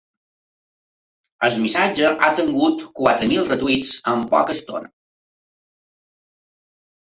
El missatge ha tingut quatre mil retweets en poca estona.